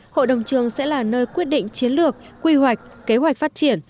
hội đồng trường sẽ là nơi quyết định chiến lược quy hoạch kế hoạch phát triển